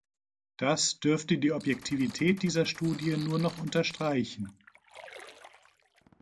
Das dürfte die Objektivität dieser Studie nur noch unterstreichen.